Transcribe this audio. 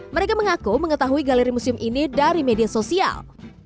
mereka mengaku mengetahui galeri museum ini dari media sosial